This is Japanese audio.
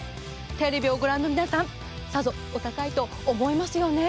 テレビをご覧の皆さんさぞお高いと思いますよね？